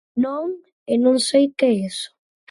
Non, e non sei que é eso.